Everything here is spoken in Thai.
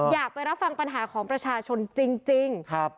อยากไปรับฟังปัญหาของประชาชนจริง